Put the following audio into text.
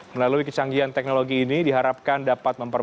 melalui kecanggihan teknologi ini diharapkan dapat memperbaiki